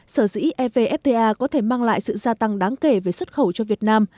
sở dĩ evfta có thể mang lại sự gia tăng đáng kể về xuất khẩu cho việt nam